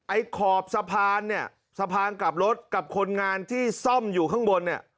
ไอ้ขอบสะพานเนี่ยสะพานกลับรถกับคนงานที่ซ่อมอยู่ข้างบนเนี่ย